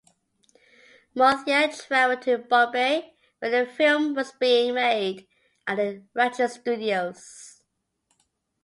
Muthiah travelled to Bombay where the film was being made at the Ranjit Studios.